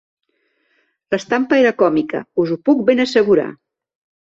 L'estampa era còmica, us ho puc ben assegurar.